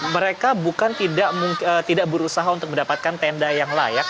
mereka bukan tidak berusaha untuk mendapatkan tenda yang layak